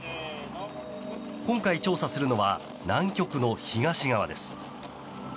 今回調査するのは南極の東側です。